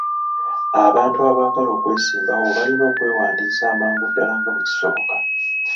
Abantu abaagala okwesimbawo balina okwewandiisa amangu ddala nga bwe kisoboka..